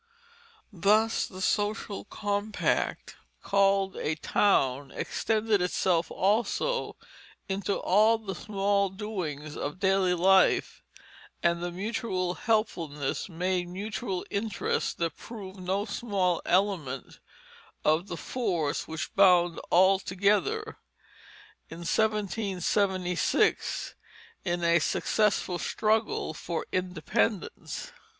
Thus the social compact called a town extended itself also into all the small doings of daily life, and the mutual helpfulness made mutual interests that proved no small element of the force which bound all together in 1776 in a successful struggle for independence.